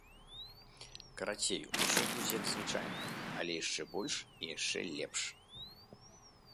Карацей, усё будзе як звычайна, але яшчэ больш і яшчэ лепш.